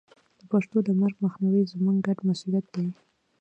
د پښتو د مرګ مخنیوی زموږ ګډ مسوولیت دی.